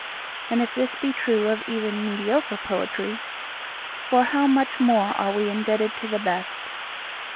And if this be true of even mediocre poetry, for how much more are we indebted to the best!